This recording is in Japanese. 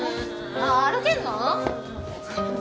あっ歩けんの？